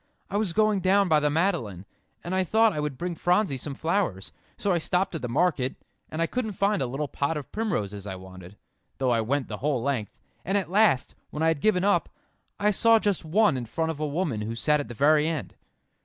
"I was going down by the Madeleine, and I thought I would bring Phronsie some flowers; so I stopped at the market, and I couldn't find a little pot of primroses I wanted, though I went the whole length; and at last, when I had given up, I saw just one in front of a woman who sat at the very end."